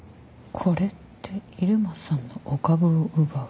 これって入間さんのお株を奪う。